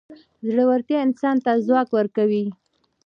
زړورتیا انسان ته ځواک ورکوي.